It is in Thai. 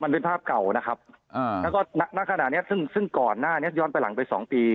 มันเป็นภาพเก่านะครับอ่าแล้วก็ณขณะเนี้ยซึ่งซึ่งก่อนหน้านี้ย้อนไปหลังไปสองปี